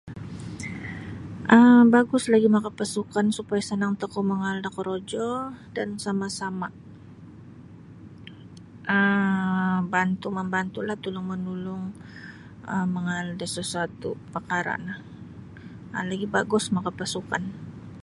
um bagus lagi makapasukan supaya sanang tokou mangaal do korojo dan sama-sama' um bantu' mambantu'lah tulung manulung um mangaal da sasuatu' parkara' no lagi' bagus makapasukan.